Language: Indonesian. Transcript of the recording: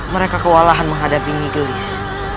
mereka kewalahan menghadapi nyigilis